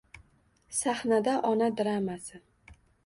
Sahnada Ona dramasi